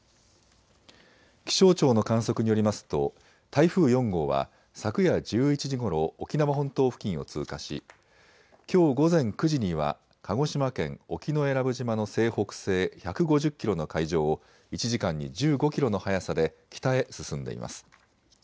気象庁の観測によりますと台風４号は昨夜１１時ごろ沖縄本島付近を通過し、きょう午前９時には鹿児島県沖永良部島の西北西１５０キロの海上を１時間に１５キロの速さで北へ進んでいます。